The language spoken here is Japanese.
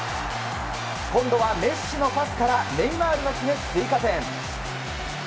今度はメッシのパスからネイマールが決め、追加点。